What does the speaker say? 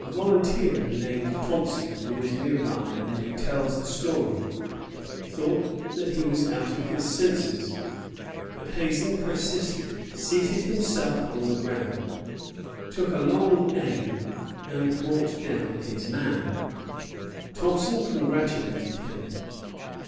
A volunteer named Thompson, who was near by and who tells the story, thought that he was out of his senses; but Hazen persisted, seated himself on the ground, took a long aim, fired, and brought down his man. Thompson congratulated him.